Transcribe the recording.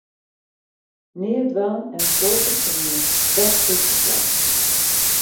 Neat dwaan en in soad fertsjinje, dàt is de slach!